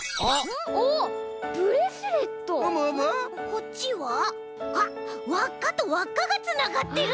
こっちはあっわっかとわっかがつながってる！